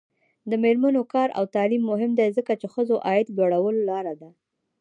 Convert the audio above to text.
د میرمنو کار او تعلیم مهم دی ځکه چې ښځو عاید لوړولو لاره ده.